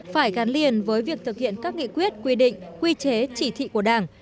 phải gắn liền với việc thực hiện các nghị quyết quy định quy chế chỉ thị của đảng